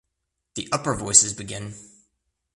The upper voices begin.